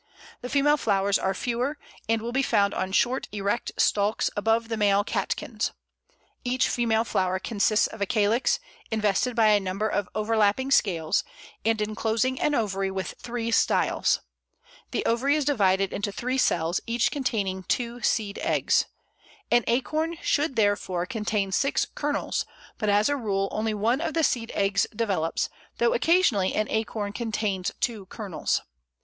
The female flowers are fewer, and will be found on short erect stalks above the male catkins. Each female flower consists of a calyx, invested by a number of overlapping scales, and enclosing an ovary with three styles. The ovary is divided into three cells, each containing two seed eggs. An acorn should therefore contain six kernels, but, as a rule, only one of the seed eggs develops, though occasionally an acorn contains two kernels.